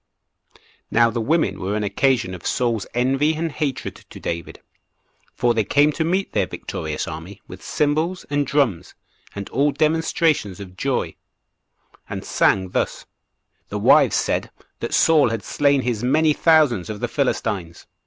1. Now the women were an occasion of Saul's envy and hatred to David; for they came to meet their victorious army with cymbals, and drums, and all demonstrations of joy, and sang thus: The wives said, that "Saul had slain his many thousands of the Philistines."